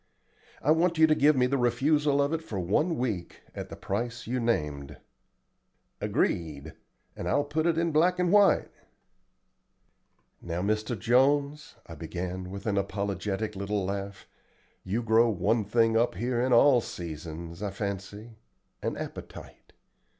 I want you to give me the refusal of it for one week at the price you named." "Agreed, and I'll put it in black and white." "Now, Mr. Jones," I began with an apologetic little laugh, "you grow one thing up here in all seasons, I fancy an appetite.